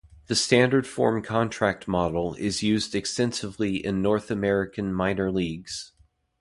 The standard form contract model is used extensively in North American minor leagues.